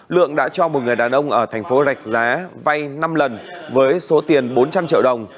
lượng đã cho một người đàn ông ở thành phố rạch giá vay năm lần với số tiền bốn trăm linh triệu đồng